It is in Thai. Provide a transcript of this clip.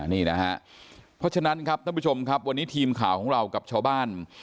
นี่นะฮะเพราะฉะนั้นครับท่านผู้ชมครับวันนี้ทีมข่าวของเรากับชาวบ้าน